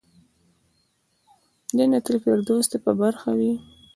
جنت الفردوس دې په برخه وي.